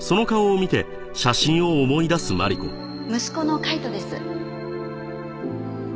息子の海斗です。